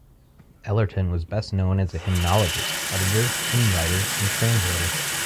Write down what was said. Ellerton was best known as a hymnologist, editor, hymn-writer and translator.